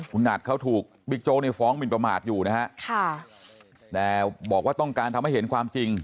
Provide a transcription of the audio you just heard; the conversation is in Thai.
คุณอัดเขาถูกบิ๊กโจ๊กในฟ้องหมินประมาทอยู่นะฮะค่ะแต่บอกว่าต้องการทำให้เห็นความจริง